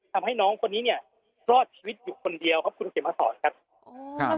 ทำให้น้องคนนี้รอดชีวิตอยู่คนเดียวครับคุณเกมศรครับ